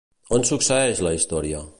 On succeeix la història?